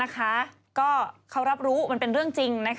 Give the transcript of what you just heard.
ก็เขารับรู้มันเป็นเรื่องจริง